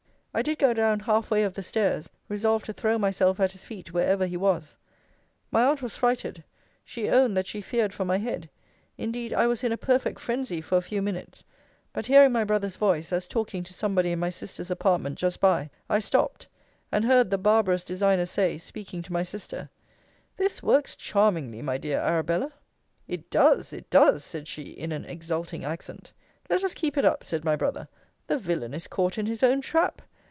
I did go down half way of the stairs, resolved to throw myself at his feet wherever he was. My aunt was frighted. She owned, that she feared for my head. Indeed I was in a perfect phrensy for a few minutes but hearing my brother's voice, as talking to somebody in my sister's apartment just by, I stopt; and heard the barbarous designer say, speaking to my sister, This works charmingly, my dear Arabella! It does! It does! said she, in an exulting accent. Let us keep it up, said my brother. The villain is caught in his own trap!